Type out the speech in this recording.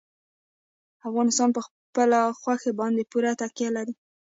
افغانستان په خپلو غوښې باندې پوره تکیه لري.